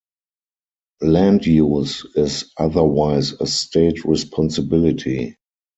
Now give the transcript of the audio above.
Land use is otherwise a State responsibility.